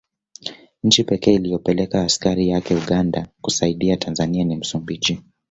Nchi pekee iliyopeleka askari wake Uganda kuisaidia Tanzania ni Msumbiji